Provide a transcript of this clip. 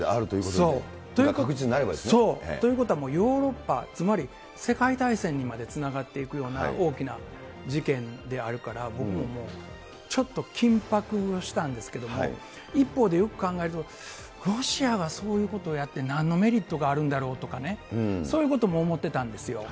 そう。ということはもうヨーロッパ、つまり世界大戦にまでつながっていくような大きな事件であるから、僕も、ちょっと緊迫したんですけども、一方でよく考えると、ロシアはそういうことをやってなんのメリットがあるんだろうとかね、そういうことも思ってたんですよ。